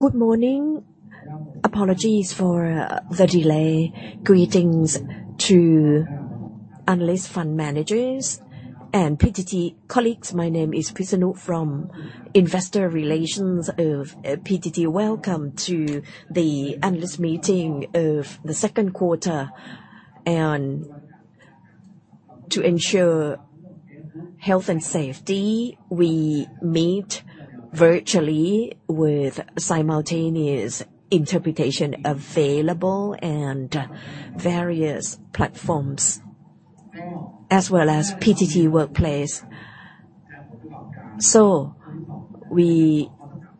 Good morning. Apologies for the delay. Greetings to analyst fund managers and PTT colleagues. My name is Pisanu from Investor Relations of PTT. Welcome to the analyst meeting of the second quarter. To ensure health and safety, we meet virtually with simultaneous interpretation available and various platforms, as well as PTT workplace. We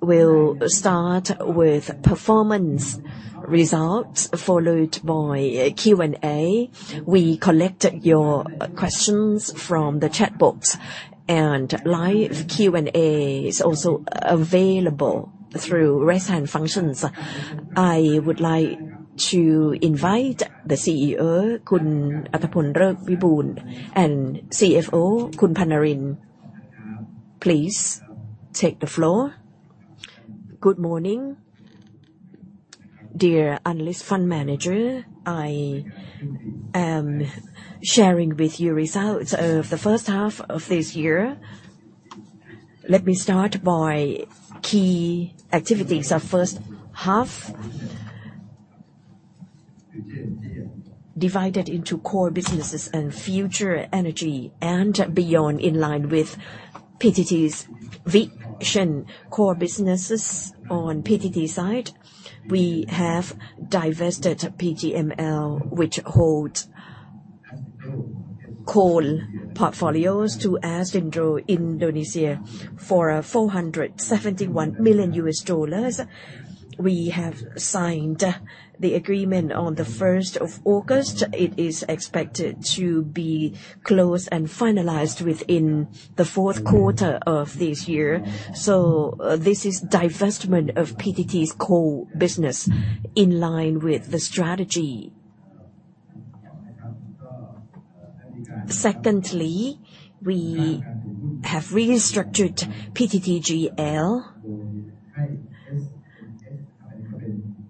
will start with performance results followed by a Q&A. We collected your questions from the chat box and live Q&A is also available through raise hand functions. I would like to invite the CEO, Kun Auttapol Rerkpiboon and CFO, Kun Buranin Rattanasombat. Please take the floor. Good morning. Dear analysts, fund managers, I am sharing with you results of the first half of this year. Let me start with key activities of first half. Divided into core businesses and future energy and beyond, in line with PTT's vision. Core businesses on PTT side, we have divested PTTML, which holds coal portfolios to PT Adaro Energy Indonesia TBK for $471 million. We have signed the agreement on the first of August. It is expected to be closed and finalized within the fourth quarter of this year. This is divestment of PTT's coal business in line with the strategy. Secondly, we have restructured PTTGL.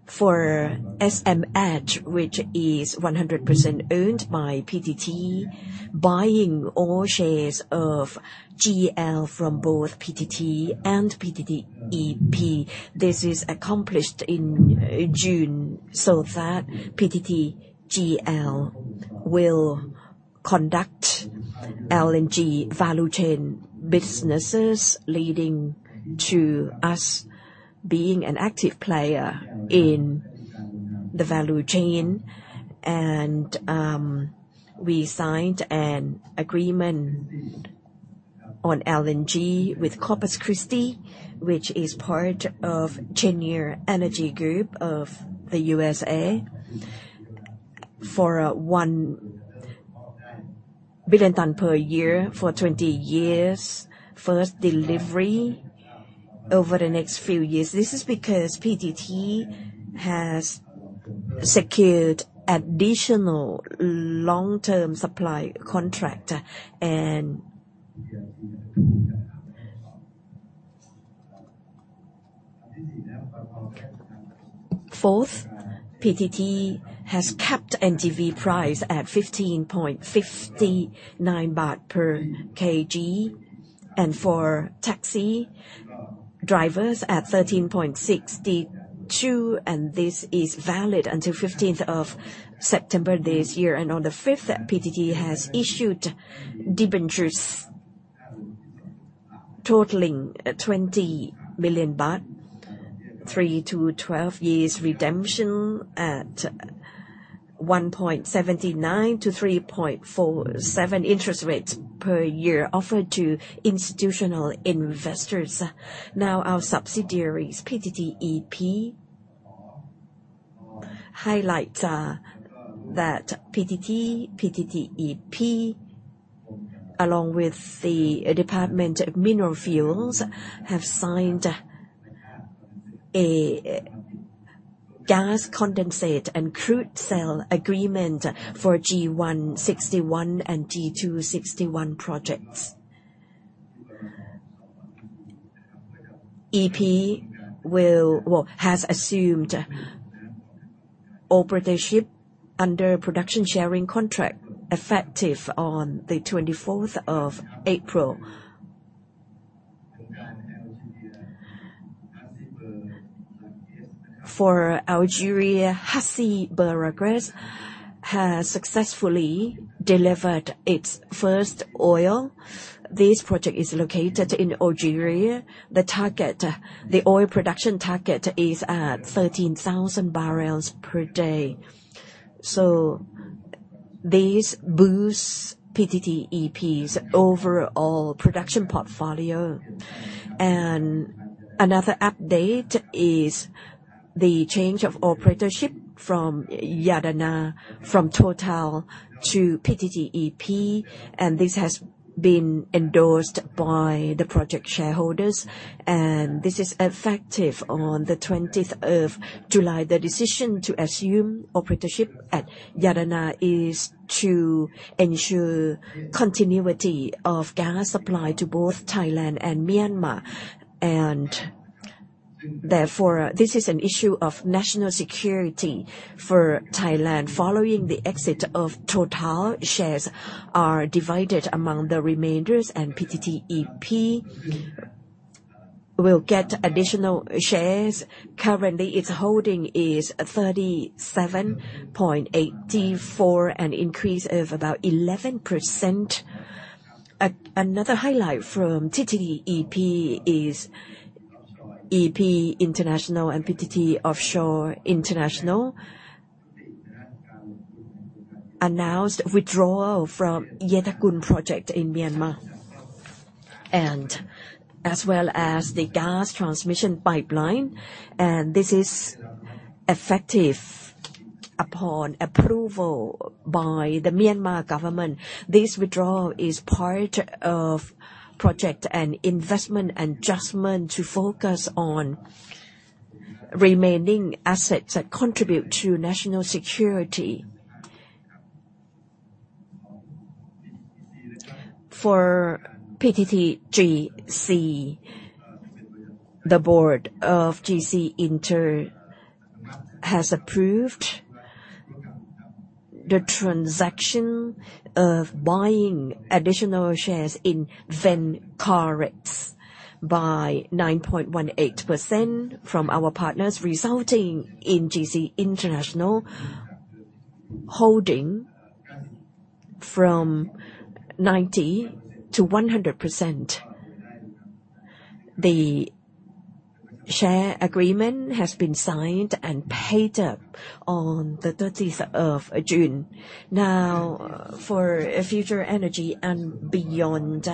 For SM Edge, which is 100% owned by PTT, buying all shares of GL from both PTT and PTTEP. This is accomplished in June so that PTTGL will conduct LNG value chain businesses, leading to us being an active player in the value chain. We signed an agreement on LNG with Corpus Christi, which is part of Cheniere Energy group of the USA for 1 million ton per year for 20 years. First delivery over the next few years. This is because PTT has secured additional long-term supply contract. Fourth, PTT has capped NGV price at TBH15.59 per kg and for taxi drivers at 13.62, and this is valid until 15th of September this year. On the fifth, PTT has issued debentures totaling THB 20 billion, three-12 years redemption at 1.79%-3.47% interest rates per year offered to institutional investors. Now our subsidiaries, PTTEP. Highlights are that PTT, PTTEP along with the Department of Mineral Fuels, have signed a gas condensate and crude sale agreement for G1/61 and G2/61 projects. PTTEP has assumed operatorship under production sharing contract effective on the 24th of April. For Algeria, Hassi Bir Rekaiz has successfully delivered its first oil. This project is located in Algeria. The oil production target is at 13,000 barrels per day. This boosts PTTEP's overall production portfolio. Another update is the change of operatorship from Yadana, from Total to PTTEP. This has been endorsed by the project shareholders, and this is effective on the twentieth of July. The decision to assume operatorship at Yadana is to ensure continuity of gas supply to both Thailand and Myanmar. Therefore, this is an issue of national security for Thailand. Following the exit of Total, shares are divided among the remaining, and PTTEP will get additional shares. Currently, its holding is 37.84%, an increase of about 11%. Another highlight from PTTEP is PTTEP International and PTTEP Offshore Investment Company announced withdrawal from Yetagun project in Myanmar, as well as the gas transmission pipeline, and this is effective upon approval by the Myanmar government. This withdrawal is part of project and investment adjustment to focus on remaining assets that contribute to national security. For PTT GC, the board of GC International has approved the transaction of buying additional shares in Vencorex by 9.18% from our partners, resulting in GC International holding 90%-100%. The share agreement has been signed and paid up on the 13th of June. Now for future energy and beyond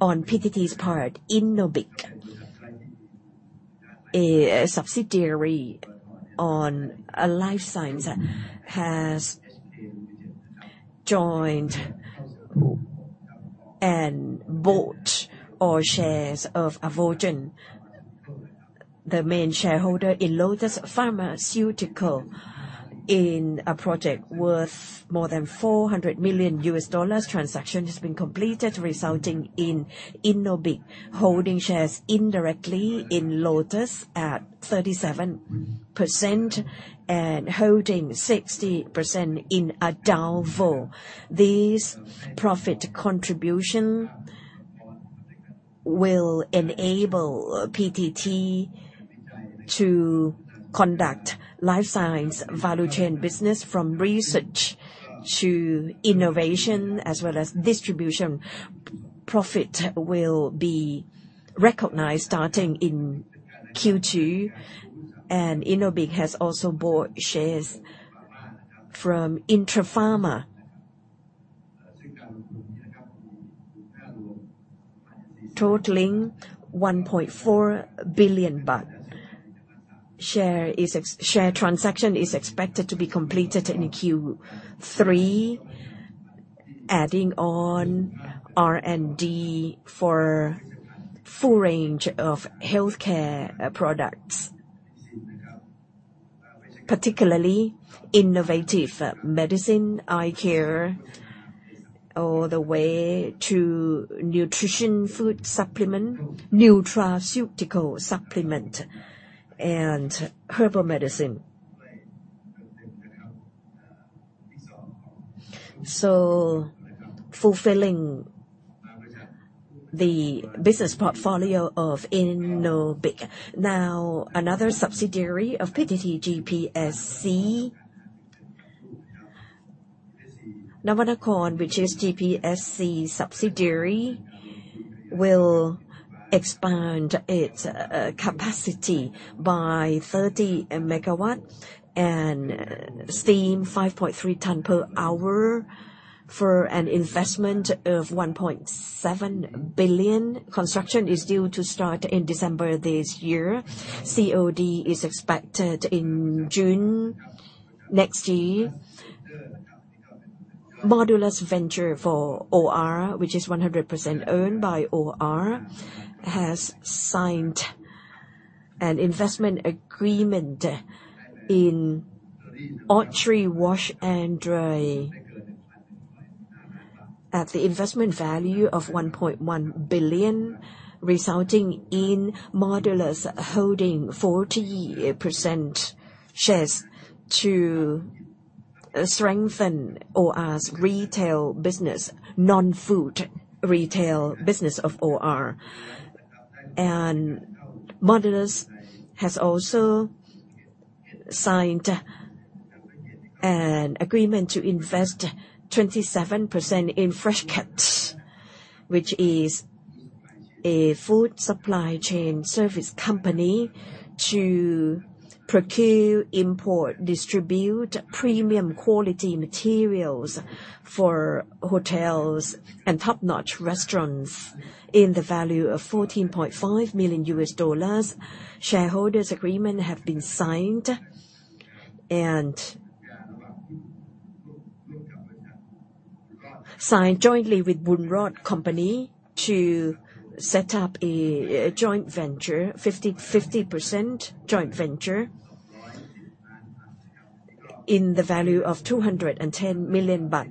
on PTT's part, Innobic, a subsidiary on life science, has joined and bought all shares of Alvogen, the main shareholder in Lotus Pharmaceutical, in a project worth more than $400 million. Transaction has been completed, resulting in Innobic holding shares indirectly in Lotus at 37% and holding 60% in Alvogen. This profit contribution will enable PTT to conduct life science value chain business from research to innovation as well as distribution. Profit will be recognized starting in Q2, and Innobic has also bought shares from Interpharma. Totaling THB 1.4 billion. Share transaction is expected to be completed in Q3, adding on R&D for full range of healthcare, products. Particularly innovative medicine, eye care, all the way to nutrition food supplement, nutraceutical supplement, and herbal medicine. Fulfilling the business portfolio of Innobic. Now another subsidiary of PTT GPSC. Nava Nakorn, which is GPSC subsidiary, will expand its capacity by 30 MW and steam 5.3 tons per hour for an investment of 1.7 billion. Construction is due to start in December this year. COD is expected in June next year. Modulus Venture for OR, which is 100% owned by OR, has signed an investment agreement in Otteri Wash & Dry at the investment value of 1.1 billion, resulting in Modulus holding 40% shares to strengthen OR's retail business, non-food retail business of OR. Modulus has also signed an agreement to invest 27% in Freshket, which is a food supply chain service company to procure, import, distribute premium quality materials for hotels and top-notch restaurants in the value of $14.5 million. Shareholders' agreement have been signed jointly with Boon Rawd Brewery to set up a joint venture,50% joint venture in the value of 210 million baht.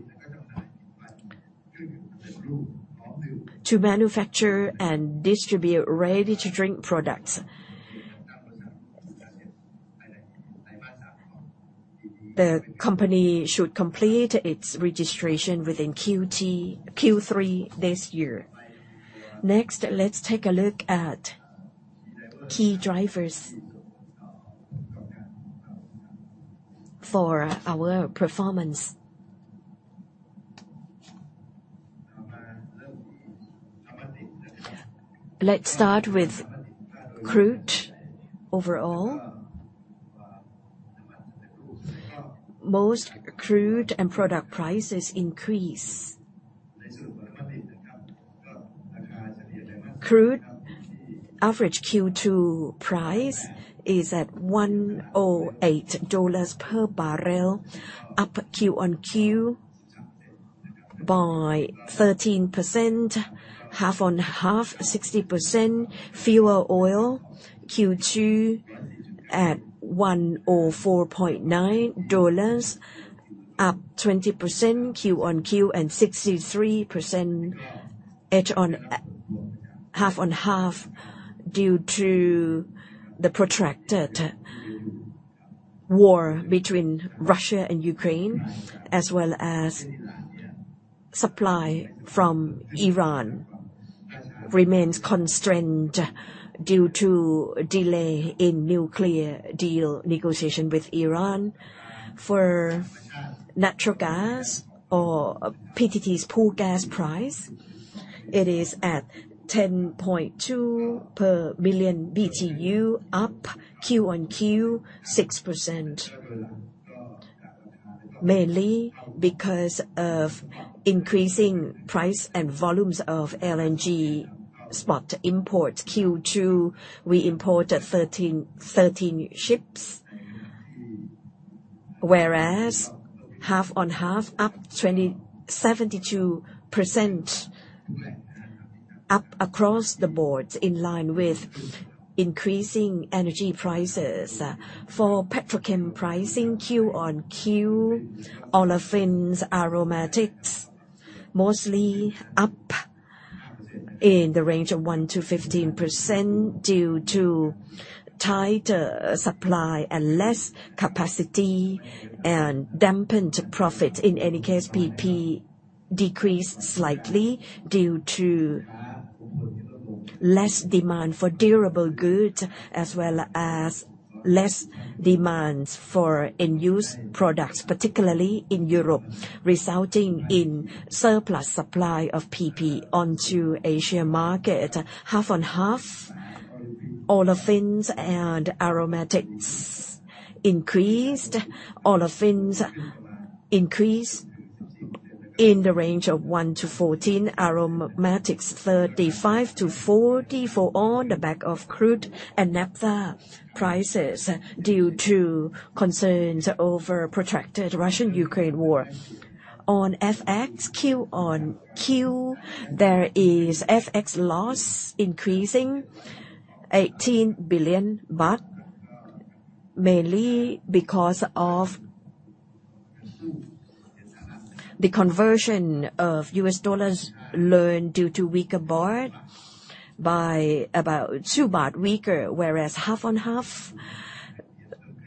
To manufacture and distribute ready-to-drink products. The company should complete its registration within Q3 this year. Next, let's take a look at key drivers for our performance. Let's start with crude. Overall, most crude and product prices increase. Crude average Q2 price is at $108 per barrel, up Q-on-Q by 13%, H1-on-H1 60%. Fuel oil Q2 at $104.9, up 20% Q-on-Q and 63% H1-on-H1 due to the protracted war between Russia and Ukraine, as well as supply from Iran remains constrained due to delay in nuclear deal negotiation with Iran. For natural gas, our PTT's pool gas price, it is at $10.2 per billion BTU, up Q-on-Q 6%. Mainly because of increasing price and volumes of LNG spot import. Q2, we imported 13 ships. Whereas H1-on-H1 up 27% across the board in line with increasing energy prices. For petrochemical pricing Q-on-Q, olefins, aromatics, mostly up in the range of 1%-15% due to tighter supply and less capacity and dampened profits. In any case, PP decreased slightly due to less demand for durable goods as well as less demands for end-use products, particularly in Europe, resulting in surplus supply of PP onto Asia market. Half-on-half olefins and aromatics increased. Olefins increased in the range of 1%-14%, aromatics 35%-44% on the back of crude and naphtha prices due to concerns over protracted Russia-Ukraine war. On FX Q-on-Q, there is FX loss increasing 18 billion baht, mainly because of the conversion of US dollar loan due to weaker baht by about 2 baht weaker. Whereas half-on-half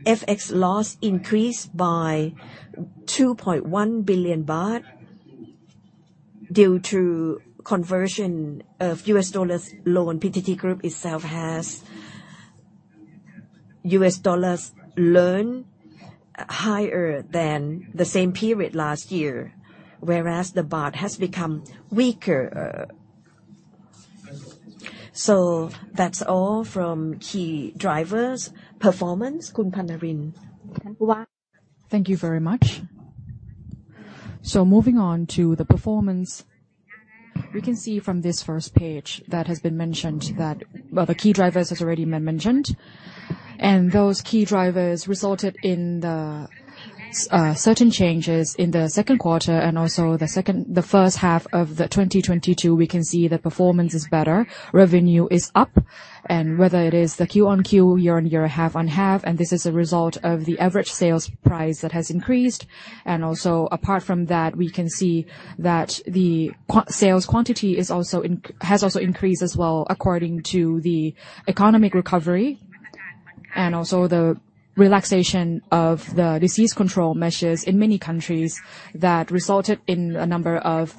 FX loss increased by 2.1 billion baht due to conversion of US dollar loan. PTT Group itself has US dollars loan higher than the same period last year, whereas the baht has become weaker. That's all from key drivers performance. Thank you very much. Moving on to the performance. We can see from this first page that has been mentioned that. Well, the key drivers has already been mentioned. Those key drivers resulted in the certain changes in the second quarter and also the first half of 2022, we can see the performance is better. Revenue is up. Whether it is the Q-on-Q, year-on-year, half-on-half, and this is a result of the average sales price that has increased. Also apart from that, we can see that the sales quantity has also increased as well according to the economic recovery and also the relaxation of the disease control measures in many countries that resulted in a number of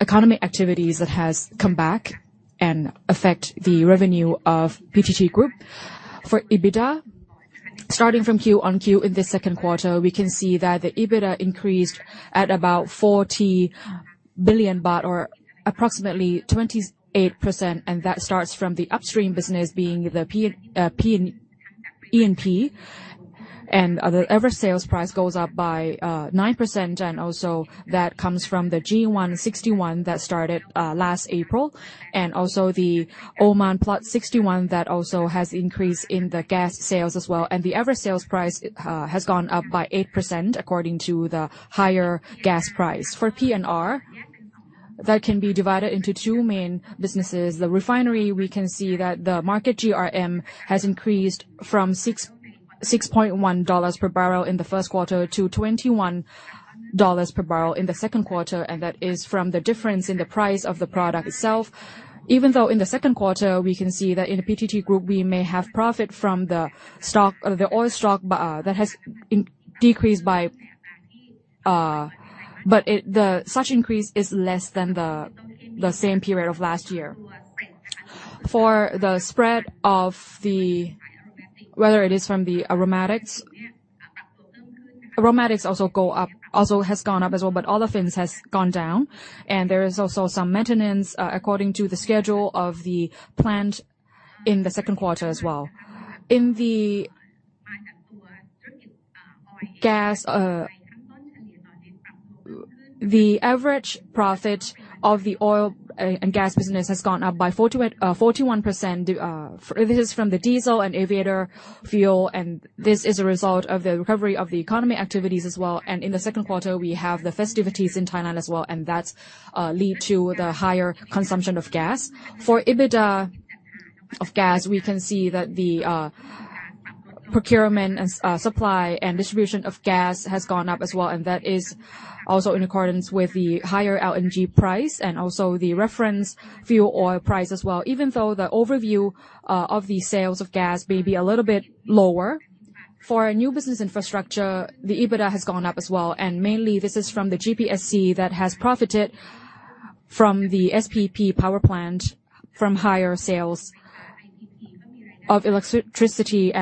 economic activities that has come back and affect the revenue of PTT Group. For EBITDA, starting from quarter-over-quarter in the second quarter, we can see that the EBITDA increased at about 40 billion baht or approximately 28%, and that starts from the upstream business being the E&P. The average sales price goes up by 9%, and also that comes from the G1/61 that started last April. Also the Oman Block 61 that also has increased in the gas sales as well. The average sales price has gone up by 8% according to the higher gas price. For P&R that can be divided into two main businesses. The refinery, we can see that the market GRM has increased from $6.1 per barrel in the first quarter to $21 per barrel in the second quarter, and that is from the difference in the price of the product itself. Even though in the second quarter, we can see that in the PTT group, we may have profit from the stock, the oil stock, that has decreased by. It, the such increase is less than the same period of last year. For the spread of the, whether it is from the aromatics. Aromatics also go up, also has gone up as well, but olefins has gone down. There is also some maintenance according to the schedule of the plant in the second quarter as well. In the gas, the average profit of the oil and gas business has gone up by 41%. This is from the diesel and aviation fuel, and this is a result of the recovery of the economic activities as well. In the second quarter, we have the festivities in Thailand as well, and that's lead to the higher consumption of gas. For EBITDA of gas, we can see that the procurement and supply and distribution of gas has gone up as well, and that is also in accordance with the higher LNG price and also the reference fuel oil price as well. Even though the overview of the sales of gas may be a little bit lower. For our new business infrastructure, the EBITDA has gone up as well, and mainly this is from the GPSC that has profited from the SPP power plant from higher sales of electricity.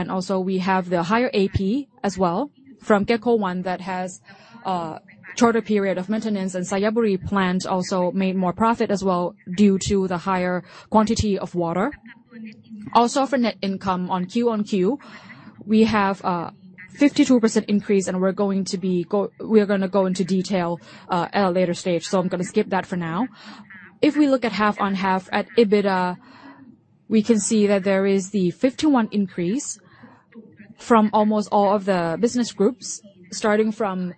We have the higher AP as well from Gheco-One that has a shorter period of maintenance. Xayaburi plant also made more profit as well due to the higher quantity of water. For net income on Q-on-Q, we have a 52% increase and we are gonna go into detail at a later stage, so I'm gonna skip that for now. If we look at half-on-half at EBITDA, we can see that there is the 51% increase from almost all of the business groups, starting from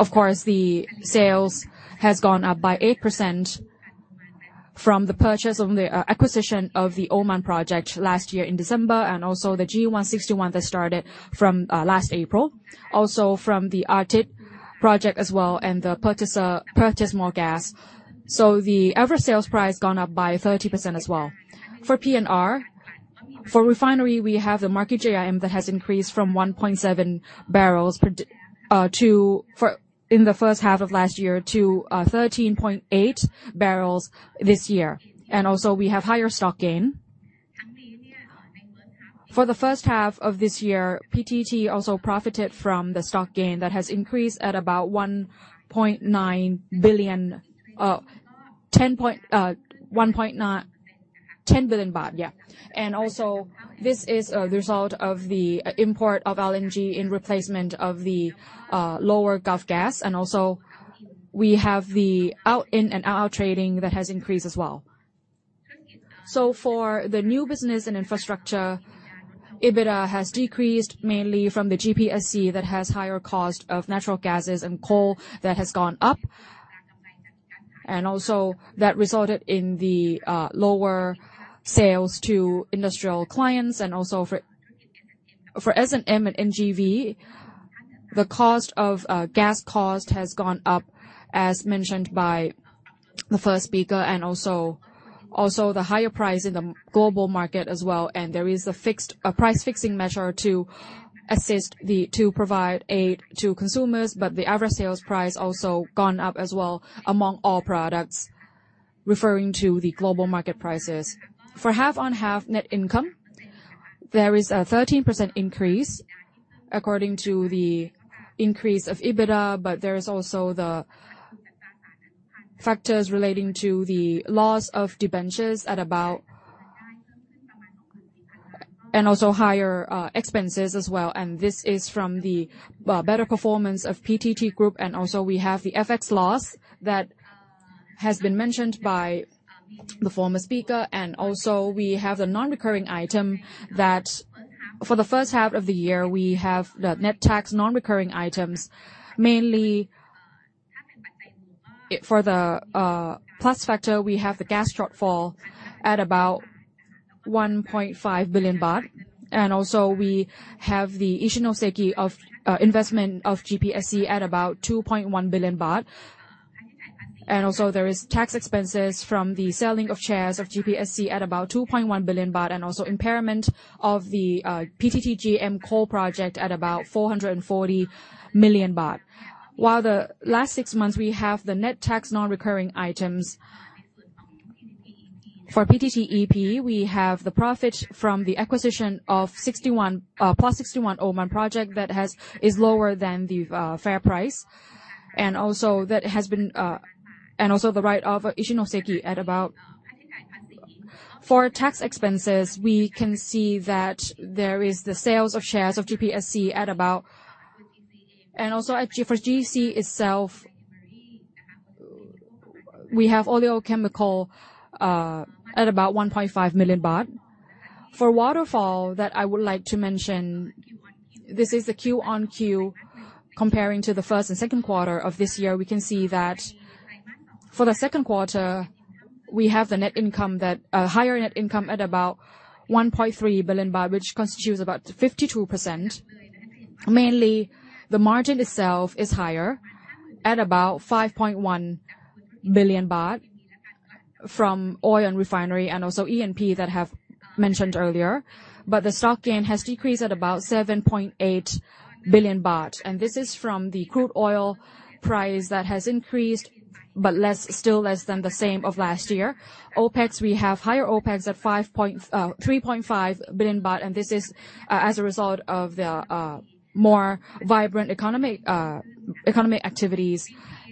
E&P. The sales has gone up by 8% from the purchase of the acquisition of the Oman Block 61 last year in December, and also the G1/61 that started from last April. Also from the Arthit project as well and the purchase more gas. The average sales price gone up by 30% as well. For P&R. For refinery, we have the market GRM that has increased from $1.7 per barrel in the first half of last year to $13.8 per barrel this year. We have higher stock gain. For the first half of this year, PTT also profited from the stock gain that has increased at about 10 billion baht, yeah. This is a result of the import of LNG in replacement of the lower Gulf gas. We have the in and out trading that has increased as well. For the new business and infrastructure, EBITDA has decreased mainly from the GPSC that has higher cost of natural gases and coal that has gone up. That resulted in the lower sales to industrial clients and also for S&M and NGV, the cost of gas cost has gone up as mentioned by the first speaker and also the higher price in the global market as well. There is a price fixing measure to provide aid to consumers, but the average sales price also gone up as well among all products, referring to the global market prices. For half-on-half net income, there is a 13% increase according to the increase of EBITDA, but there is also the factors relating to the loss of debentures at about. Higher expenses as well, and this is from the better performance of PTT Group and also we have the FX loss that has been mentioned by the former speaker. We have the non-recurring item that for the first half of the year we have the net tax non-recurring items, mainly for the plus factor, we have the gas shortfall at about 1.5 billion baht. We have the Ichinoseki of investment of GPSC at about 2.1 billion baht. There is tax expenses from the selling of shares of GPSC at about 2.1 billion baht and also impairment of the PTTML coal project at about 440 million baht. While the last six months we have the net tax non-recurring items. For PTTEP, we have the profit from the acquisition of Block 61 Oman project that is lower than the fair price. The write-off of Ichinoseki at about. For tax expenses, we can see that there is the sales of shares of GPSC at about. At GC for GC itself, we have oleochemical at about 1.5 million baht. For waterfall that I would like to mention, this is the Q-on-Q comparing to the first and second quarter of this year. We can see that for the second quarter, we have higher net income at about 1.3 billion baht, which constitutes about 52%. Mainly, the margin itself is higher at about 5.1 billion baht from oil and refinery and also E&P that have mentioned earlier. The stock gain has decreased at about 7.8 billion baht, and this is from the crude oil price that has increased, but less, still less than the same as last year. OpEx, we have higher OpEx at 3.5 billion baht, and this is, as a result of the, more vibrant economy, economic activities.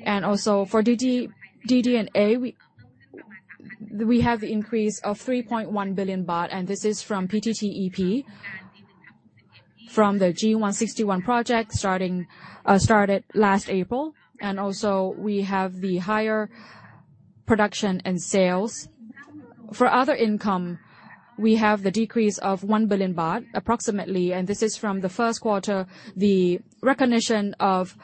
Also for DD&A, we have increase of 3.1 billion baht, and this is from PTT E&P, from the G1/61 project started last April. We have higher production and sales. For other income, we have the decrease of 1 billion baht approximately, and this is from the first quarter. The recognition of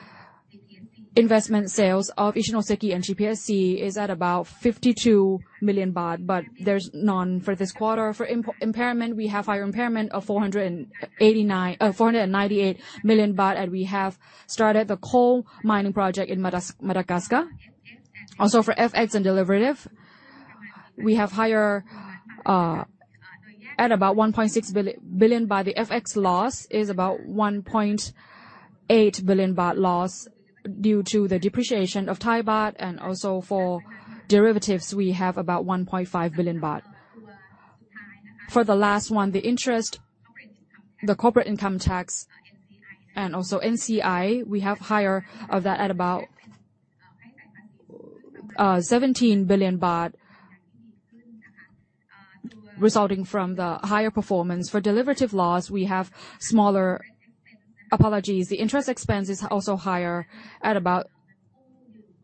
investment sales of Ichinoseki and GPSC is at about 52 million baht, but there's none for this quarter. For impairment, we have higher impairment of 498 million baht, and we have started the coal mining project in Madagascar. For FX and derivative, we have higher at about 1.6 billion baht from the FX loss is about 1.8 billion baht loss due to the depreciation of Thai baht. For derivatives, we have about 1.5 billion baht. For the last one, the interest, the corporate income tax, and also NCI, we have higher of that at about THB 17 billion resulting from the higher performance. The interest expense is also higher at about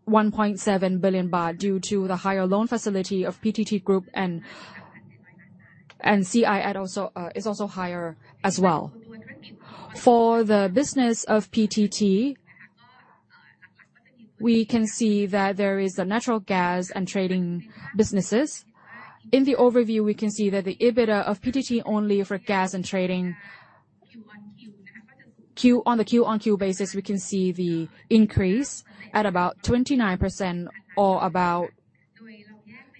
1.7 billion baht due to the higher loan facility of PTT Group and NCI also is also higher as well. For the business of PTT, we can see that there is a natural gas and trading businesses. In the overview, we can see that the EBITDA of PTT only for gas and trading. Q-on-Q. On the Q-on-Q basis, we can see the increase at about 29% or about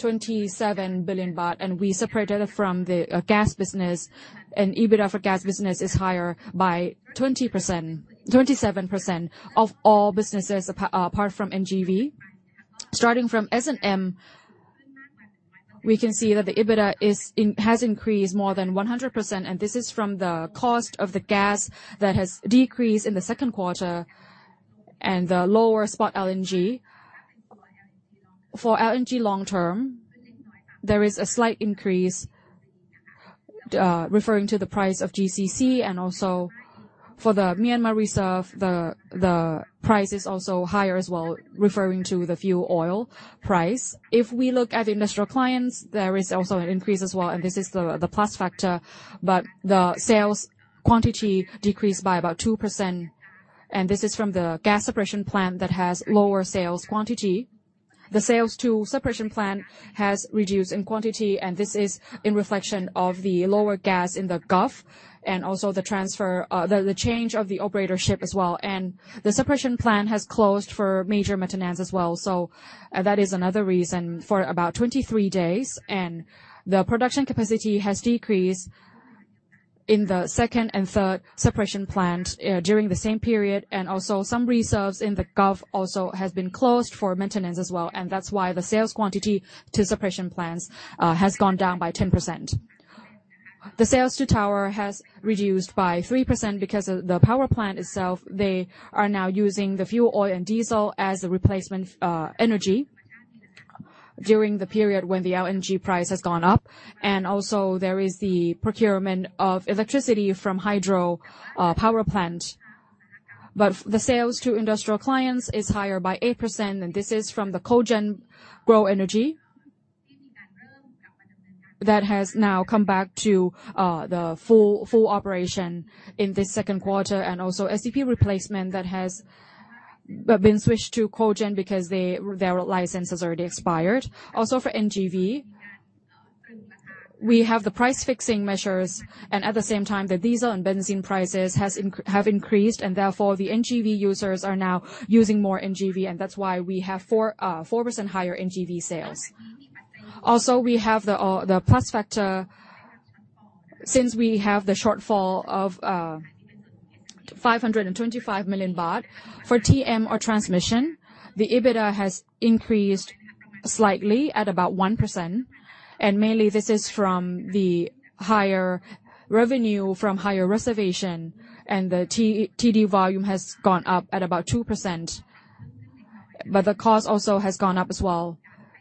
27 billion baht. We separate it from the gas business. EBITDA for gas business is higher by 27% of all businesses apart from NGV. Starting from S&M, we can see that the EBITDA has increased more than 100%, and this is from the cost of the gas that has decreased in the second quarter and the lower spot LNG. For LNG long term, there is a slight increase referring to the price of JCC and also for the Myanmar reserve, the price is also higher as well, referring to the fuel oil price. If we look at industrial clients, there is also an increase as well, and this is the plus factor, but the sales quantity decreased by about 2%, and this is from the gas separation plant that has lower sales quantity. The sales to separation plant has reduced in quantity, and this is in reflection of the lower gas in the Gulf and also the transfer, the change of the operatorship as well. The separation plant has closed for major maintenance as well. That is another reason for about 23 days. The production capacity has decreased in the second and third separation plant during the same period. Some reserves in the Gulf also has been closed for maintenance as well, and that's why the sales quantity to separation plants has gone down by 10%. The sales to power has reduced by 3% because the power plant itself, they are now using the fuel oil and diesel as a replacement energy during the period when the LNG price has gone up. There is the procurement of electricity from hydro power plant. The sales to industrial clients is higher by 8%, and this is from the cogen grow energy that has now come back to the full operation in this second quarter and also SPP replacement that has been switched to cogen because their license has already expired. Also for NGV, we have the price fixing measures and at the same time the diesel and benzene prices have increased and therefore the NGV users are now using more NGV and that's why we have 4% higher NGV sales. Also, we have the plus factor since we have the shortfall of 525 million baht. For TM or transmission, the EBITDA has increased slightly at about 1%. Mainly this is from the higher revenue from higher reservation and the PTT volume has gone up at about 2%. The cost also has gone up as well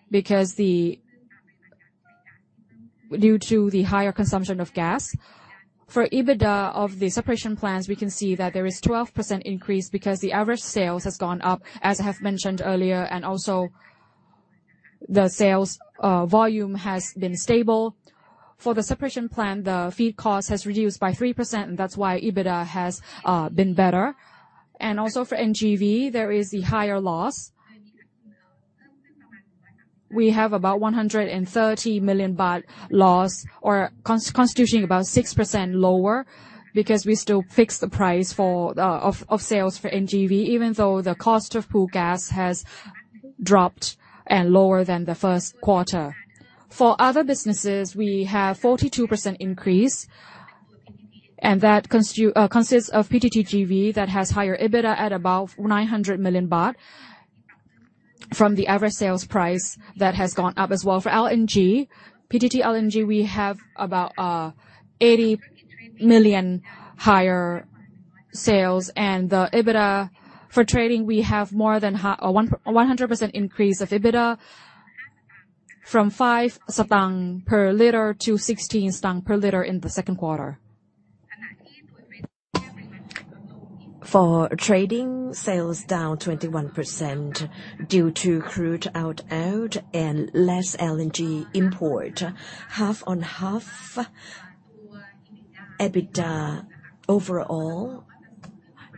because due to the higher consumption of gas. For EBITDA of the separation plants, we can see that there is 12% increase because the average sales has gone up, as I have mentioned earlier. The sales volume has been stable. For the separation plan, the feed cost has reduced by 3% and that's why EBITDA has been better. For NGV, there is a higher loss. We have about 130 million baht loss constituting about 6% lower because we still fix the price for the of sales for NGV, even though the cost of Pro gas has dropped and lower than the first quarter. For other businesses, we have 42% increase, and that consists of PTTGL that has higher EBITDA at about 900 million baht from the average sales price that has gone up as well. For LNG, PTT LNG, we have about 80 million higher sales. The EBITDA for trading, we have more than 100% increase of EBITDA from 5 satang per liter to 16 satang per liter in the second quarter. For trading, sales down 21% due to crude out and less LNG import. Half on half, EBITDA overall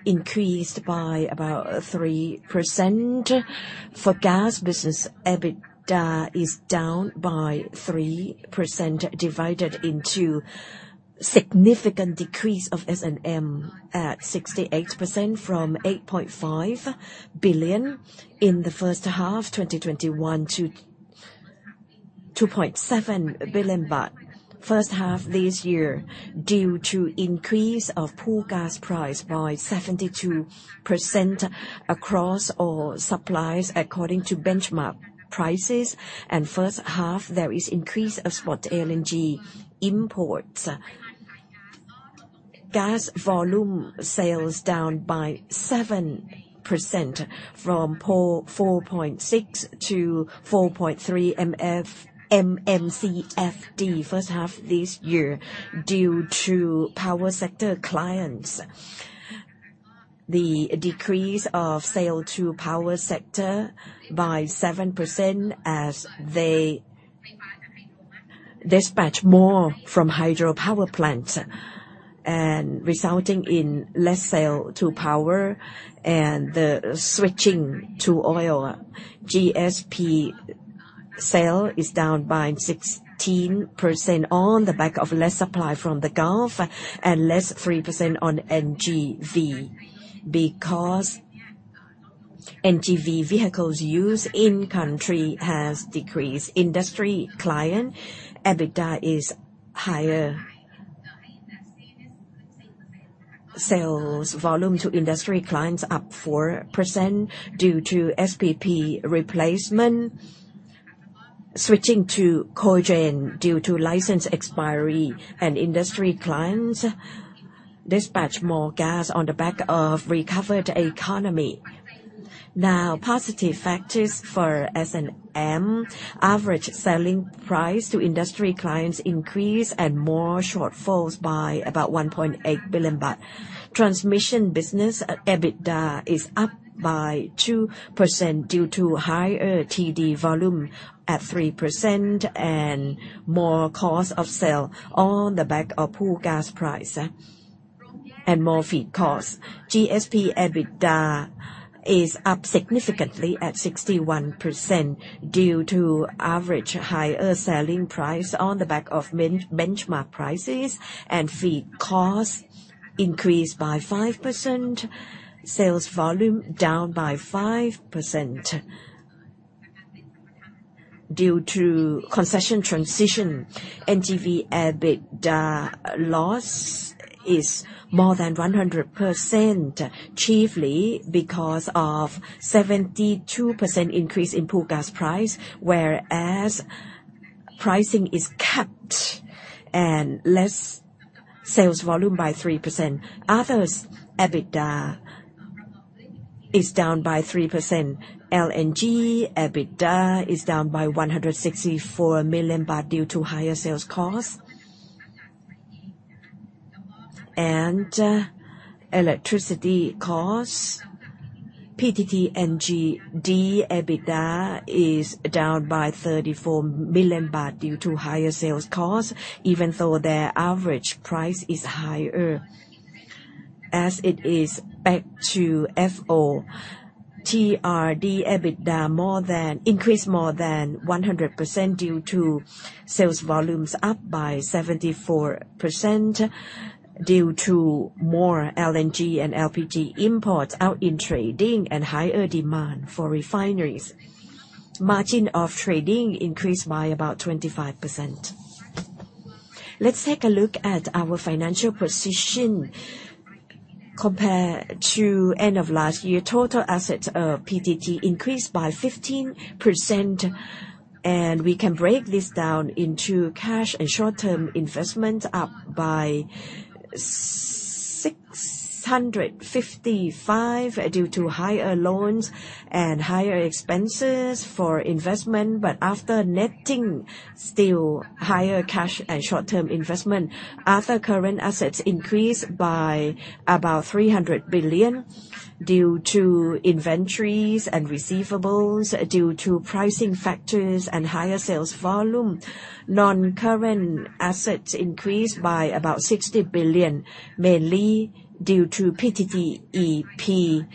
increased by about 3%. For gas business, EBITDA is down by 3% divided into significant decrease of S&M at 68% from 8.5 billion in the first half 2021 to 2.7 billion baht first half this year due to increase of pool gas price by 72% across all supplies according to benchmark prices. First half, there is increase of spot LNG imports. Gas volume sales down by 7% from 4.6 to 4.3 MMCFD first half this year due to power sector clients. The decrease of sale to power sector by 7% as they dispatch more from hydropower plants and resulting in less sale to power and the switching to oil. GSP sale is down by 16% on the back of less supply from the Gulf and less 3% on NGV because NGV vehicles used in country has decreased. Industry client EBITDA is higher. Sales volume to industry clients up 4% due to SPP replacement. Switching to cogen due to license expiry and industry clients dispatch more gas on the back of recovered economy. Now, positive factors for S&M. Average selling price to industry clients increased and more shortfalls by about 1.8 billion baht. Transmission business EBITDA is up by 2% due to higher TD volume at 3% and more cost of sale on the back of Pro gas price and more feed costs. GSP EBITDA is up significantly at 61% due to average higher selling price on the back of benchmark prices and feed costs increased by 5%. Sales volume down by 5% due to concession transition. NGV EBITDA loss is more than 100%, chiefly because of 72% increase in Pro gas price, whereas pricing is capped and less sales volume by 3%. Others EBITDA is down by 3%. LNG EBITDA is down by 164 million baht due to higher sales costs and electricity costs. PTTNGD EBITDA is down by 34 million baht due to higher sales costs, even though their average price is higher as it is back to FO. TRD EBITDA increased more than 100% due to sales volumes up by 74% due to more LNG and LPG imports out in trading and higher demand for refineries. Margin of trading increased by about 25%. Let's take a look at our financial position compared to end of last year. Total assets of PTT increased by 15%, and we can break this down into cash and short-term investment up by 655 billion due to higher loans and higher expenses for investment. After netting, still higher cash and short-term investment. Other current assets increased by about 300 billion due to inventories and receivables due to pricing factors and higher sales volume. Non-current assets increased by about 60 billion, mainly due to PTT EP.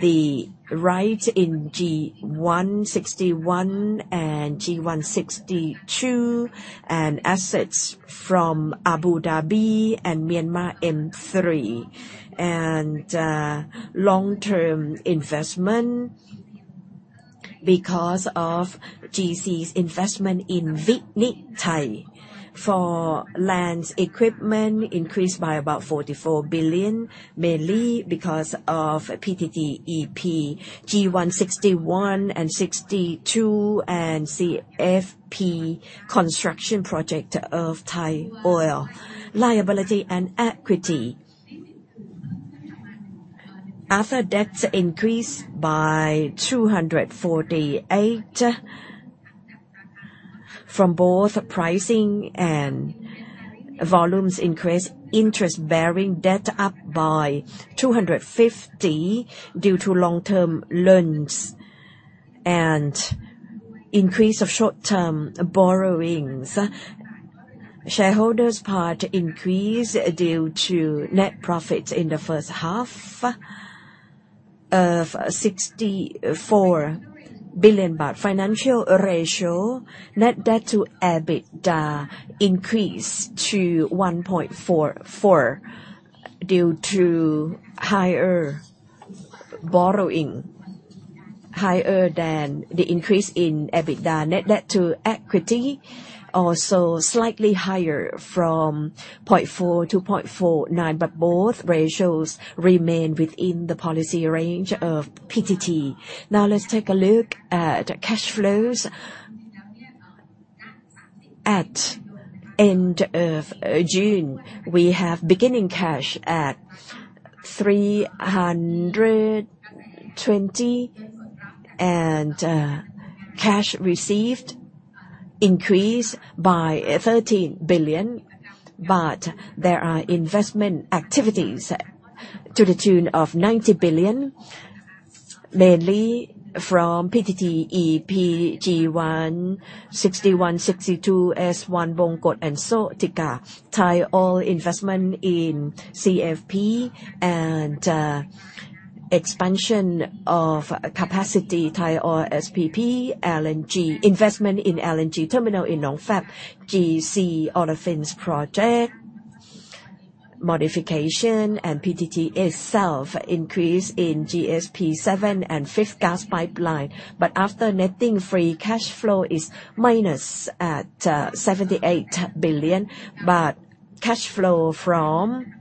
The rise in G1/61 and G2/61 and assets from Abu Dhabi and Myanmar M3. Long-term investment because of GC's investment in Vencorex. For lands, equipment increased by about 44 billion, mainly because of PTT EP, G1/61 and G2/61, and CFP construction project of Thai Oil. Liability and equity. After debts increased by 248 billion from both pricing and volumes increase, interest-bearing debt up by 250 billion due to long-term loans and increase of short-term borrowings. Shareholders' part increased due to net profits in the first half of 64 billion baht. Financial ratios, net debt to EBITDA increased to 1.44 due to higher borrowing, higher than the increase in EBITDA. Net debt to equity also slightly higher from 0.4 to 0.49, but both ratios remain within the policy range of PTT. Now let's take a look at cash flows. At end of June, we have beginning cash at 320 billion, and cash received increased by 13 billion. There are investment activities to the tune of 90 billion, mainly from PTT EP, G1/61, G2/61, S1, Bongkot, and Zawtika. Thai Oil investment in CFP and expansion of capacity, Thai Oil SPP, LNG investment in LNG terminal in Nong Fab, GC olefins project modification, and PTT itself increase in GSP-7 and fifth gas pipeline. After netting, free cash flow is minus at 78 billion. Cash flow from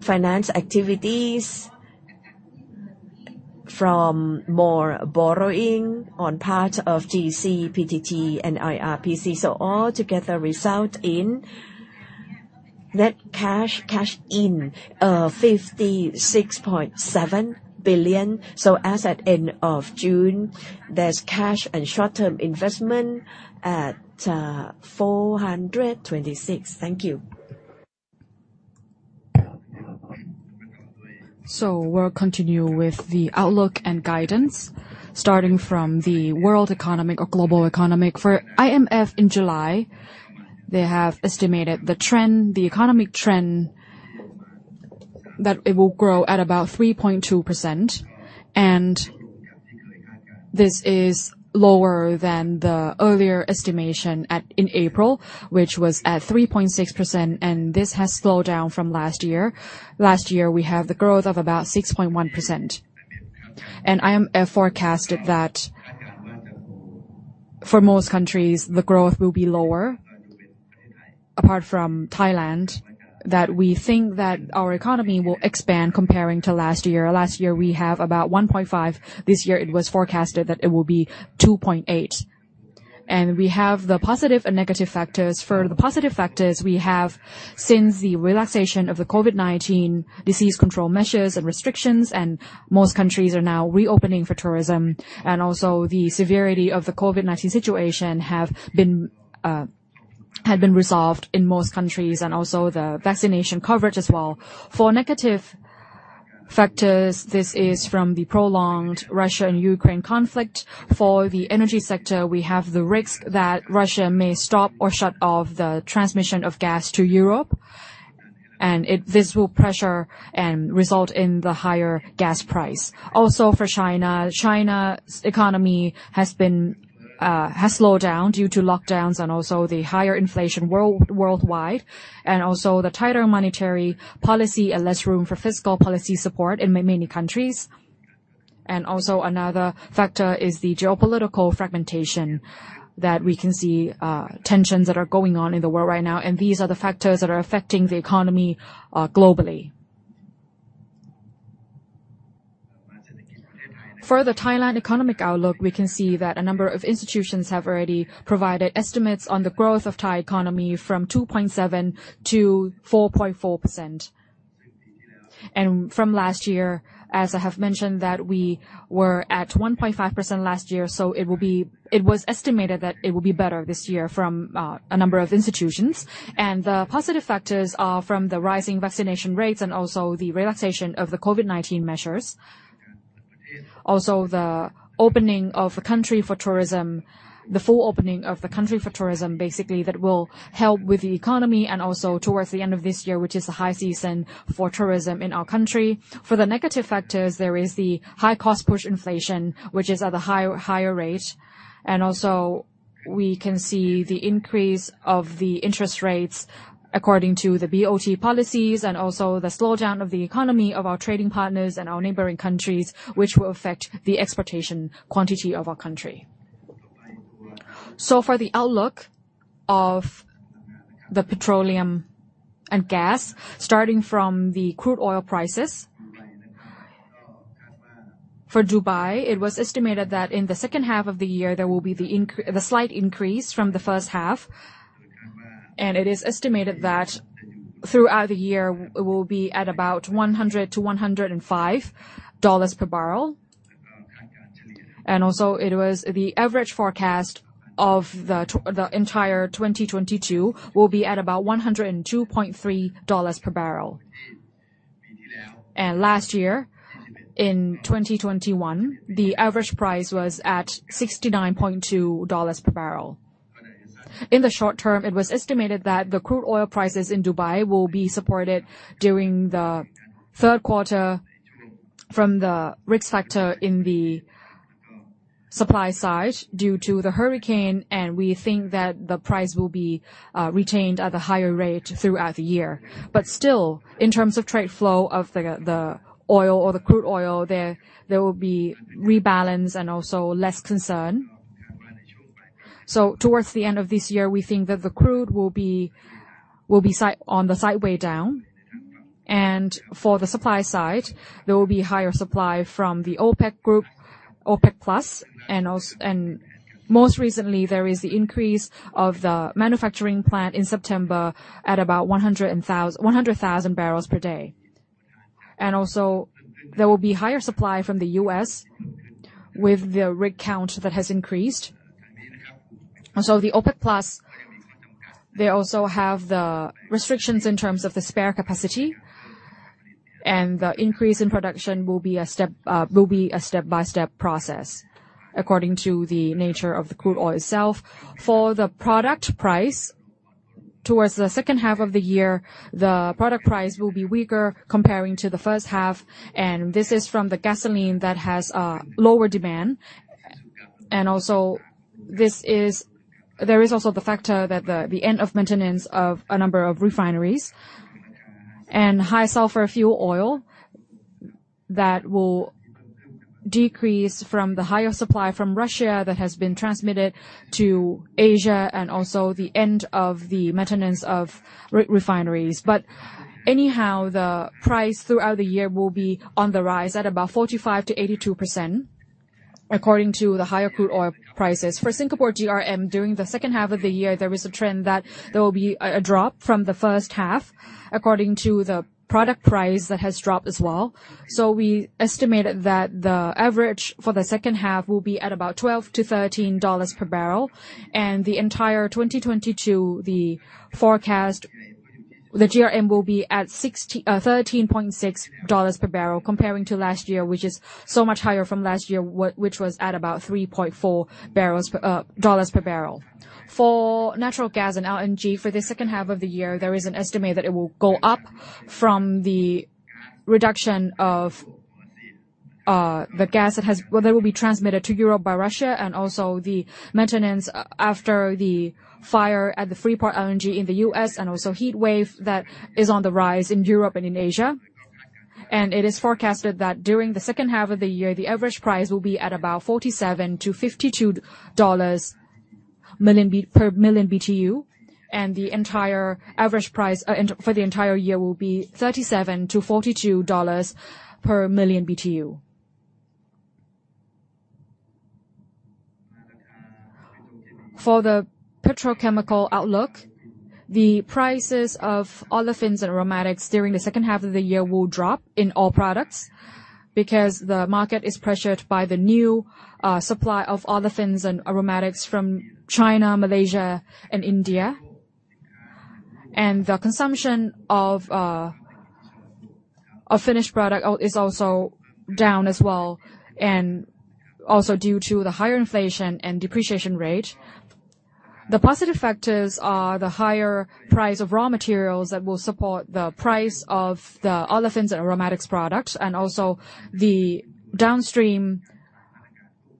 financing activities, from more borrowing on part of GC, PTT, and IRPC. All together result in net cash in 56.7 billion. As at end of June, there's cash and short-term investment at 426 billion. Thank you. We'll continue with the outlook and guidance, starting from the world economy or global economy. For IMF in July, they have estimated the trend, the economic trend, that it will grow at about 3.2%. This is lower than the earlier estimation at, in April, which was at 3.6%, and this has slowed down from last year. Last year, we have the growth of about 6.1%. IMF forecasted that for most countries, the growth will be lower, apart from Thailand, that we think that our economy will expand comparing to last year. Last year, we have about 1.5%. This year, it was forecasted that it will be 2.8%. We have the positive and negative factors. For the positive factors we have, since the relaxation of the COVID-19 disease control measures and restrictions, and most countries are now reopening for tourism. The severity of the COVID-19 situation had been resolved in most countries and also the vaccination coverage as well. For negative factors, this is from the prolonged Russia and Ukraine conflict. For the energy sector, we have the risk that Russia may stop or shut off the transmission of gas to Europe, and this will pressure and result in the higher gas price. Also, for China's economy has slowed down due to lockdowns and also the higher inflation worldwide, and also the tighter monetary policy and less room for fiscal policy support in many countries. Also another factor is the geopolitical fragmentation that we can see, tensions that are going on in the world right now. These are the factors that are affecting the economy globally. For the Thailand economic outlook, we can see that a number of institutions have already provided estimates on the growth of Thai economy from 2.7% to 4.4%. From last year, as I have mentioned, we were at 1.5% last year. It was estimated that it will be better this year from a number of institutions. The positive factors are from the rising vaccination rates and also the relaxation of the COVID-19 measures. Also, the opening of the country for tourism. The full opening of the country for tourism, basically, that will help with the economy, and also towards the end of this year, which is the high season for tourism in our country. For the negative factors, there is the high cost push inflation, which is at a high, higher rate. We can see the increase of the interest rates according to the BOT policies, and also the slowdown of the economy of our trading partners and our neighboring countries, which will affect the exportation quantity of our country. For the outlook of the petroleum and gas, starting from the crude oil prices. For Dubai, it was estimated that in the second half of the year, there will be the slight increase from the first half. It is estimated that throughout the year, we will be at about $100-$105 per barrel. Also it was the average forecast of the entire 2022 will be at about $102.3 per barrel. Last year, in 2021, the average price was at $69.2 per barrel. In the short term, it was estimated that the crude oil prices in Dubai will be supported during the third quarter from the risk factor in the supply side due to the hurricane, and we think that the price will be retained at a higher rate throughout the year. Still, in terms of trade flow of the oil or the crude oil, there will be rebalance and also less concern. Towards the end of this year, we think that the crude will be on the sideways down. For the supply side, there will be higher supply from the OPEC group, OPEC+, and most recently, there is the increase of the manufacturing plant in September at about 100,000 barrels per day. Also, there will be higher supply from the U.S. with the rig count that has increased. The OPEC+, they also have the restrictions in terms of the spare capacity, and the increase in production will be a step-by-step process according to the nature of the crude oil itself. For the product price, towards the second half of the year, the product price will be weaker comparing to the first half, and this is from the gasoline that has lower demand. There is also the factor that the end of maintenance of a number of refineries and high sulfur fuel oil that will decrease from the higher supply from Russia that has been transmitted to Asia and also the end of the maintenance of refineries. Anyhow, the price throughout the year will be on the rise at about 45%-82% according to the higher crude oil prices. For Singapore GRM, during the second half of the year, there is a trend that there will be a drop from the first half according to the product price that has dropped as well. We estimated that the average for the second half will be at about $12-$13 per barrel. The entire 2022, the forecast, the GRM will be at $13.6 per barrel comparing to last year, which is so much higher from last year, which was at about $3.4 dollars per barrel. For natural gas and LNG, for the second half of the year, there is an estimate that it will go up from the reduction of the gas that will be transmitted to Europe by Russia and also the maintenance after the fire at the Freeport LNG in the US and also heat wave that is on the rise in Europe and in Asia. It is forecasted that during the second half of the year, the average price will be at about $47-$52 per million BTU, and the entire average price for the entire year will be $37-$42 per million BTU. For the petrochemical outlook, the prices of olefins and aromatics during the second half of the year will drop in all products because the market is pressured by the new supply of olefins and aromatics from China, Malaysia and India. The consumption of a finished product is also down as well, and also due to the higher inflation and depreciation rate. The positive factors are the higher price of raw materials that will support the price of the olefins and aromatics products, and also the downstream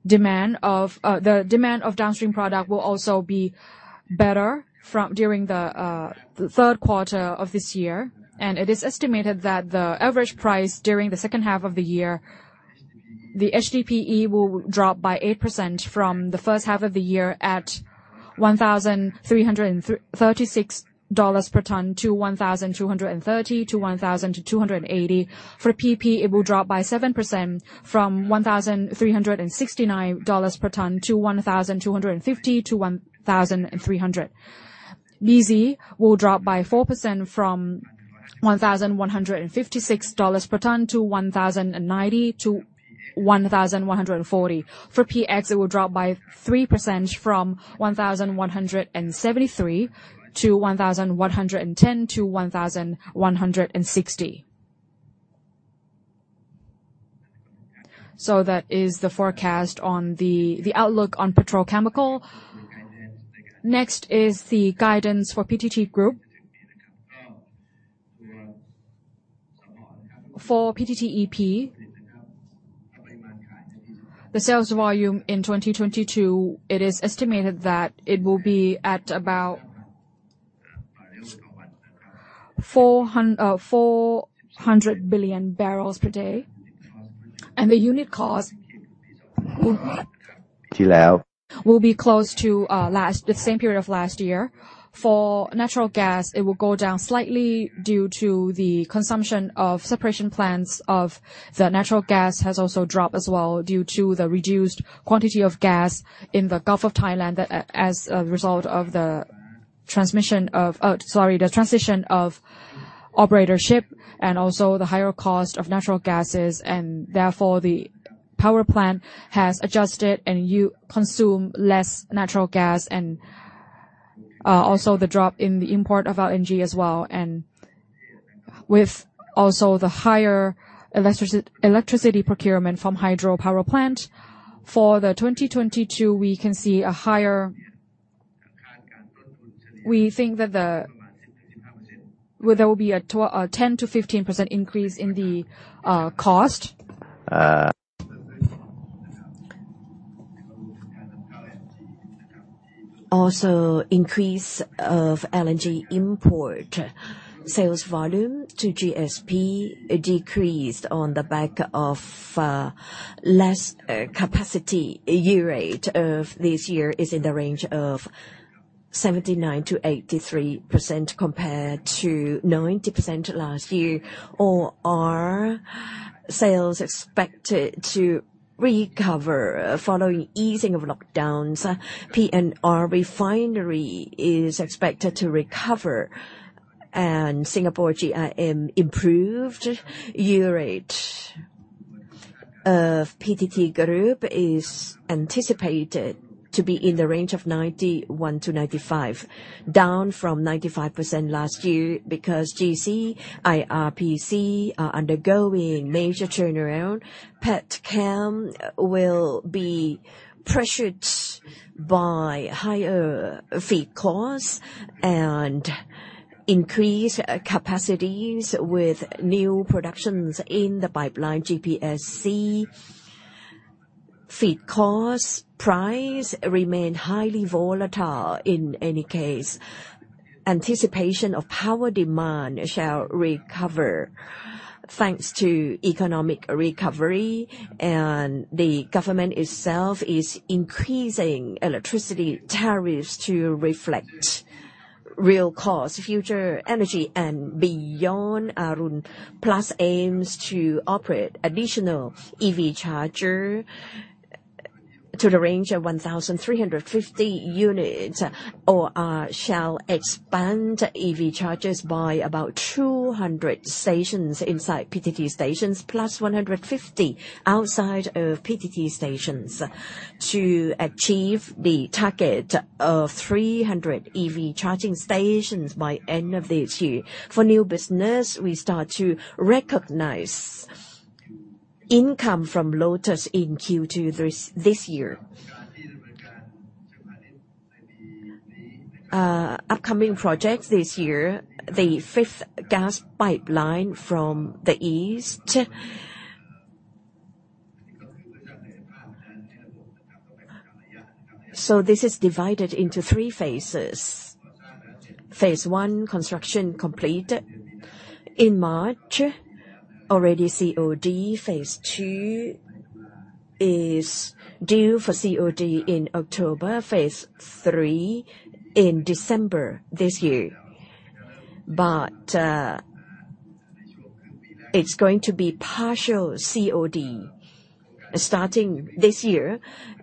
demand of, the demand of downstream product will also be better from during the third quarter of this year. It is estimated that the average price during the second half of the year, the HDPE will drop by 8% from the first half of the year at $1,336 per ton to $1,230-$1,280. For PP, it will drop by 7% from $1,369 per ton to $1,250-$1,300. BZ will drop by 4% from $1,156 per ton to $1,090-$1,140. For PX, it will drop by 3% from $1,173 to $1,110-$1,160. That is the forecast on the outlook on petrochemical. Next is the guidance for PTT Group. For PTTEP, the sales volume in 2022, it is estimated that it will be at about 400 billion barrels per day. The unit cost will be close to the same period of last year. For natural gas, it will go down slightly due to the consumption of separation plants of the natural gas has also dropped as well due to the reduced quantity of gas in the Gulf of Thailand as a result of the transition of operatorship and also the higher cost of natural gases and therefore the power plant has adjusted and you consume less natural gas and also the drop in the import of LNG as well. With also the higher electricity procurement from hydro power plant. For the 2022, we can see a higher. We think that the. Well, there will be a 10%-15% increase in the cost. Also, increase of LNG import. Sales volume to GSP decreased on the back of less capacity. Utilization rate of this year is in the range of 79%-83% compared to 90% last year. OR sales expected to recover following easing of lockdowns. P&R refinery is expected to recover and Singapore GRM improved. Utilization rate of PTT Group is anticipated to be in the range of 91%-95%, down from 95% last year because GC, IRPC are undergoing major turnaround. PTT Chem will be pressured by higher feed costs and increased capacities with new productions in the pipeline GPSC. Feedstock prices remain highly volatile in any case. Anticipation of power demand shall recover thanks to economic recovery and the government itself is increasing electricity tariffs to reflect real cost. Future energy and beyond. Arun Plus aims to operate additional EV chargers to the range of 1,350 units. OR shall expand EV chargers by about 200 stations inside PTT stations, plus 150 outside of PTT stations to achieve the target of 300 EV charging stations by end of this year. For new business, we start to recognize income from Lotus in Q2 this year. Upcoming projects this year, the fifth gas pipeline from the east. This is divided into three phases. Phase I construction completed in March. Already COD. Phase II is due for COD in October. Phase III in December this year. It's going to be partial COD starting this year.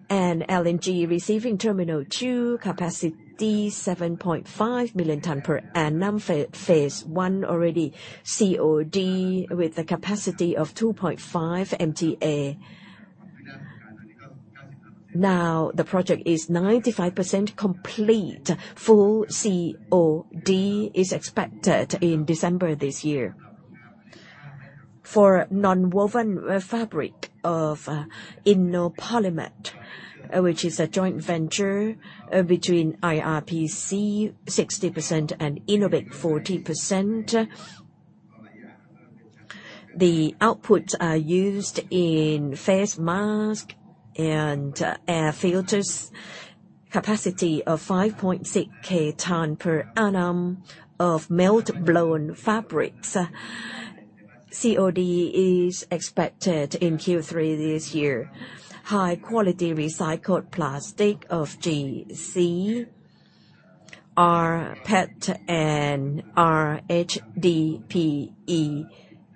LNG receiving TerminaL 2, capacity 7.5 million tons per annum. Phase one already COD with a capacity of 2.5 MW. Now the project is 95% complete. Full COD is expected in December this year. For nonwoven fabric of InnoPolyMed, which is a joint venture between IRPC, 60%, and Innobic, 40%. The outputs are used in face mask and air filters. Capacity of 5.6 K ton per annum of melt-blown fabrics. COD is expected in Q3 this year. High quality recycled plastic of GC are PET and HDPE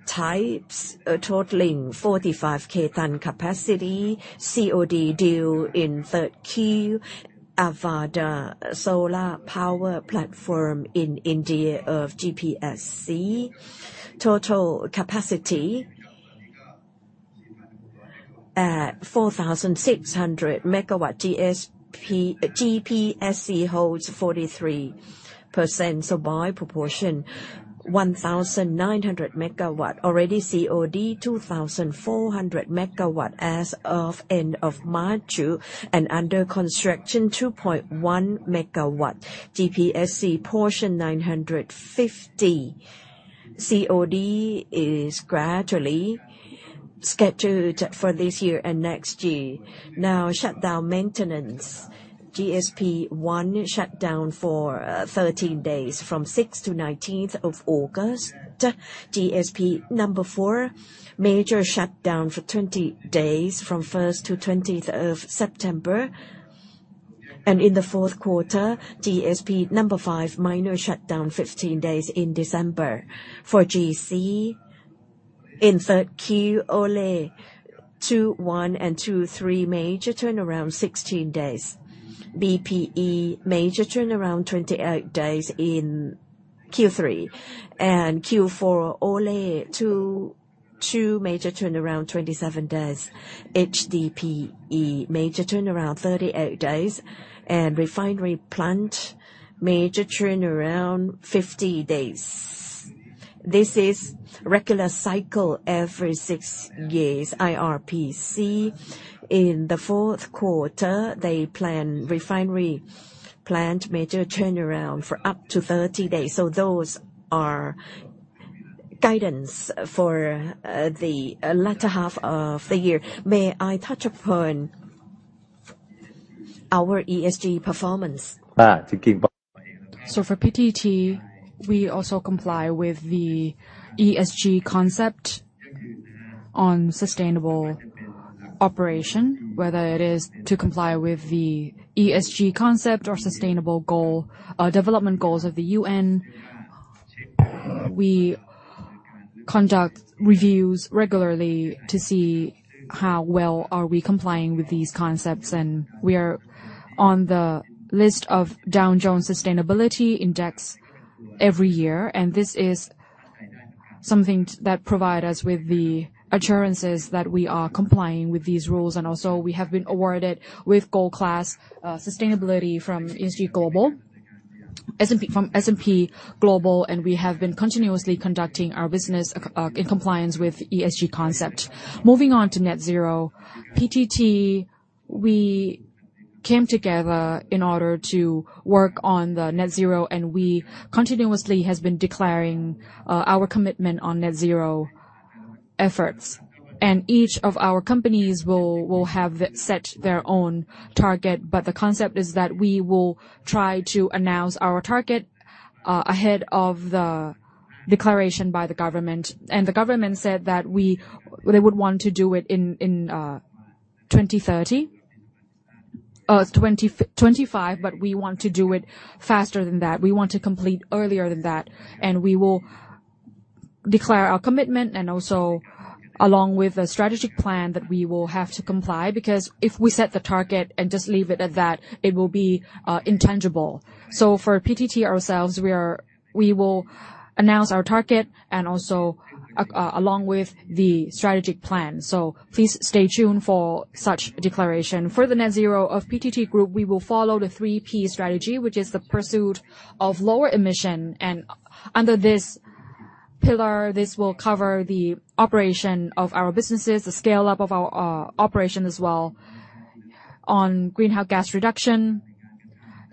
types, totaling 45 K ton capacity. COD due in Q3. Avaada Solar Power Platform in India of GPSC. Total capacity 4,600 megawatt. GPSC holds 43%. So by proportion, 1,900 megawatt already COD, 2,400 megawatt as of end of March, and under construction 2.1 megawatt. GPSC portion 950. COD is gradually scheduled for this year and next year. Now shutdown maintenance. GSP-1 shut down for 13 days from 6th of August to 19th of August. GSP-4 major shutdown for 20 days from 1st to 20th of September. In the fourth quarter, GSP number five, minor shutdown 15 days in December. For GC, in third Q, Olefins 2-1 and two to three major turnaround 16 days. BZ major turnaround 28 days in Q3. In Q4, Olefins 2/2 major turnaround 27 days. HDPE major turnaround 38 days. Refinery plant major turnaround 50 days. This is regular cycle every six years. IRPC in the fourth quarter, they plan refinery plant major turnaround for up to 30 days. Those are guidance for the latter half of the year. May I touch upon our ESG performance? For PTT, we also comply with the ESG concept on sustainable operation, whether it is to comply with the ESG concept or sustainable goal, development goals of the UN. We conduct reviews regularly to see how well are we complying with these concepts, and we are on the list of Dow Jones Sustainability Index every year. This is something that provide us with the assurances that we are complying with these rules. We have been awarded with Gold Class Sustainability from S&P Global. We have been continuously conducting our business in compliance with ESG concept. Moving on to net zero. PTT, we came together in order to work on the net zero and we continuously has been declaring our commitment on net zero efforts. Each of our companies will have set their own target. The concept is that we will try to announce our target ahead of the declaration by the government. The government said that they would want to do it in 2030, 2025, but we want to do it faster than that. We want to complete earlier than that. We will declare our commitment and also along with a strategic plan that we will have to comply. Because if we set the target and just leave it at that, it will be intangible. For PTT ourselves, we will announce our target and also along with the strategic plan. Please stay tuned for such declaration. For the net zero of PTT Group, we will follow the three P strategy, which is the pursuit of lower emission. Under this pillar, this will cover the operation of our businesses, the scale-up of our operation as well on greenhouse gas reduction.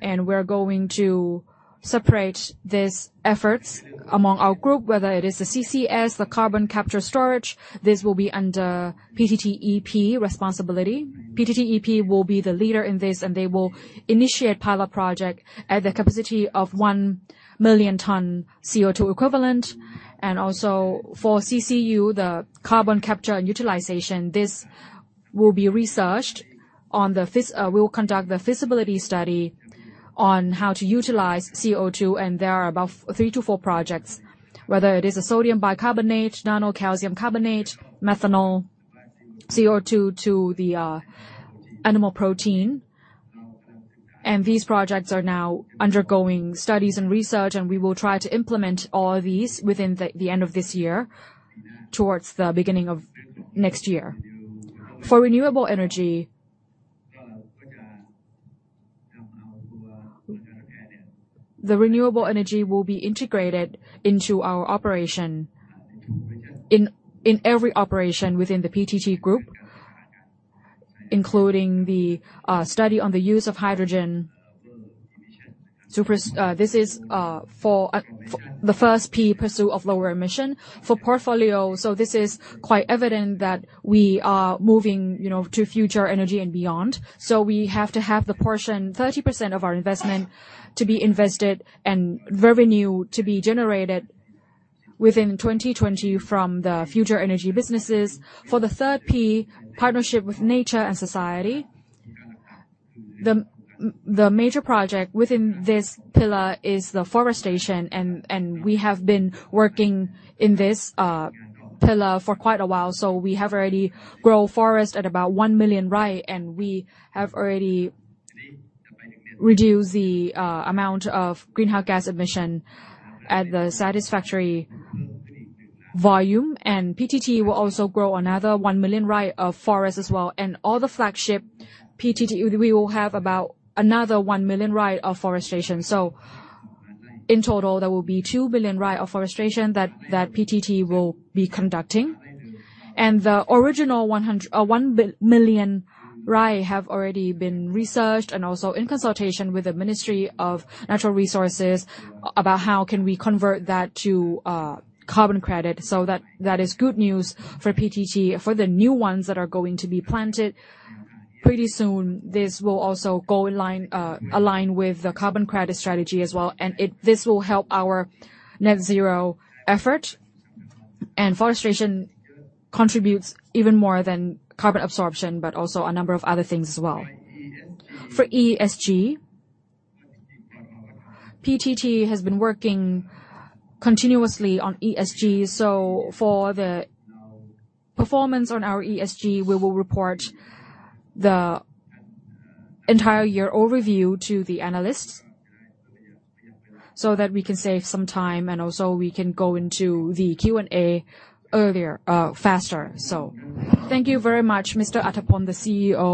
We're going to separate these efforts among our group, whether it is the CCS, the carbon capture storage. This will be under PTT EP responsibility. PTT EP will be the leader in this, and they will initiate pilot project at the capacity of 1 million ton CO₂ equivalent. Also for CCU, the carbon capture and utilization, this will be researched. We will conduct the feasibility study on how to utilize CO₂, and there are about three to four projects, whether it is a sodium bicarbonate, nano calcium carbonate, methanol, CO₂ to the animal protein. These projects are now undergoing studies and research, and we will try to implement all these within the end of this year, towards the beginning of next year. For renewable energy, the renewable energy will be integrated into our operation in every operation within the PTT Group, including the study on the use of hydrogen. This is for the first P, pursuit of lower emission. For portfolio, this is quite evident that we are moving, you know, to future energy and beyond. We have to have the portion, 30% of our investment to be invested and revenue to be generated within 2020 from the future energy businesses. For the third P, partnership with nature and society, the major project within this pillar is the forestation and we have been working in this pillar for quite a while, so we have already grown forest at about 1 million rai, and we have already reduced the amount of greenhouse gas emission at the satisfactory volume. PTT will also grow another 1 million rai of forest as well. All the flagship PTT we will have about another 1 million rai of forestation. In total, there will be 2 billion rai of forestation that PTT will be conducting. The original 1 billion rai have already been researched and also in consultation with the Ministry of Natural Resources and Environment about how can we convert that to carbon credit. That is good news for PTT. For the new ones that are going to be planted pretty soon, this will also go in line, align with the carbon credit strategy as well. This will help our net zero effort. Forestation contributes even more than carbon absorption, but also a number of other things as well. For ESG, PTT has been working continuously on ESG, so for the performance on our ESG, we will report the entire year overview to the analysts so that we can save some time and also we can go into the Q&A earlier, faster. Thank you very much, Mr. Auttapol, the CEO.